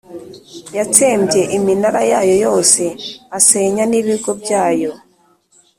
yatsembye iminara yayo yose, asenya n’ibigo byayo;